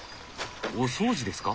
お掃除ですか？